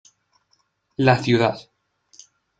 La ciudad.